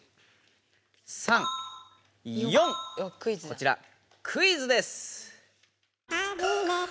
こちらクイズです！